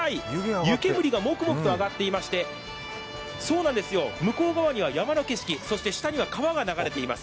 湯けむりがもくもくと上がってまして向こう側には山の景色そして下には川が流れています。